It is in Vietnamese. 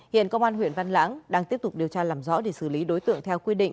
hiện công an huyện văn lãng đang tiếp tục điều tra làm rõ để xử lý đối tượng theo quy định